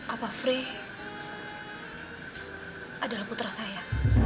apa free adalah putra saya